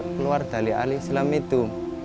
setelah keluar dari al islam itu